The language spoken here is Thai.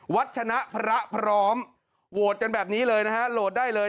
ชนะพระพร้อมโหวตกันแบบนี้เลยนะฮะโหลดได้เลย